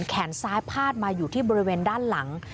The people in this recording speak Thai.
แขนซ้ายพาดมาอยู่ที่บริเวณด้านหลัง